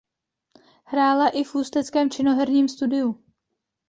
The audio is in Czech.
Hrála i v ústeckém Činoherním studiu.